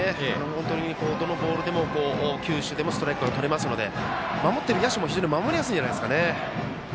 本当に、どのボールでも球種でもストライクがとれますので守ってる野手も守りやすいんじゃないですかね。